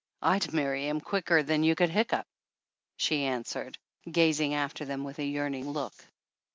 "I'd marry him quicker than you could hic cough!" she answered, gazing after them with a yearning look.